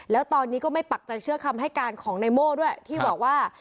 แล้วตอนนี้ก็ไม่ปักใจเชื่อคำให้การของนายโม่ด้วยที่บอกว่า